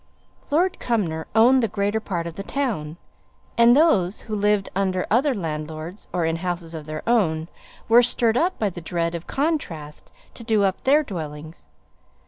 Lord Cumnor owned the greater part of the town; and those who lived under other landlords, or in houses of their own, were stirred up by the dread of contrast to do up their dwellings.